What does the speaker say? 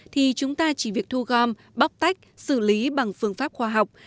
thì chúng ta chỉ việc thu gom bóc tách xử lý bằng phương pháp khoa học